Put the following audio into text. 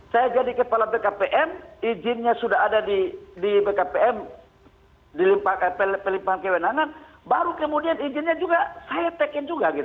saya jadi kepala bkpm izinnya sudah ada di bkpm pelimpahan kewenangan baru kemudian izinnya juga saya check in juga